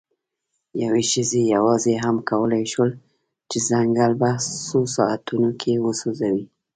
یوې ښځې یواځې هم کولی شول، چې ځنګل په څو ساعتونو کې وسوځوي.